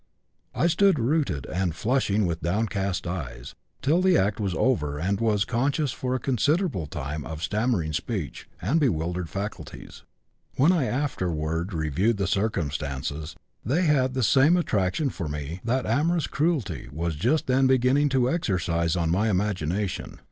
I stood rooted and flushing with downcast eyes till the act was over and was conscious for a considerable time of stammering speech and bewildered faculties. When I afterward reviewed the circumstances they had the same attraction for me that amorous cruelty was just then beginning to exercise on my imagination.